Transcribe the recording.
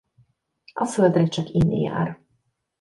A földre csak inni jár.